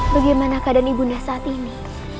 bagaimana keadaan ibu nda saat ini